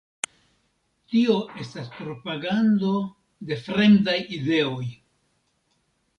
Tio estas propagando de fremdaj ideoj!